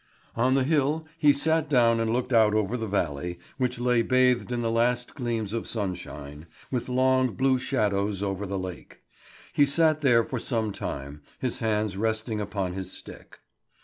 On the hill he sat down and looked out over the valley, which lay bathed in the last gleams of sunshine, with long, blue shadows over the lake. He sat there for some time, his hands resting upon his stick.